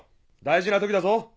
大事な時だぞ。